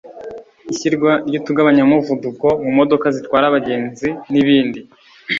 ishyirwa ry’utugabanyamuvuduko mu modoka zitwara abagenzi n’ibindi